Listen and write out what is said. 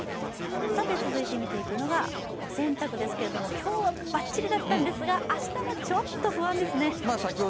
続いて見ていくのがお洗濯ですけど、今日はバッチリだったんですが明日はちょっと不安ですね。